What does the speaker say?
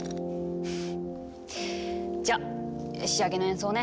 じゃ仕上げの演奏ね！